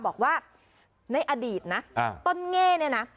บอกว่าในอดีตนะต้นเง่เนี่ยนะ